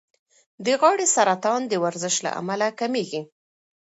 د غاړې سرطان د ورزش له امله کمېږي.